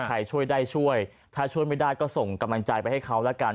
ใครช่วยได้ช่วยถ้าช่วยไม่ได้ก็ส่งกำลังใจไปให้เขาแล้วกัน